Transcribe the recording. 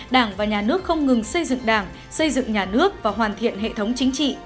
đảng và nhà nước không ngừng xây dựng đảng xây dựng nhà nước và hoàn thiện hệ thống chính trị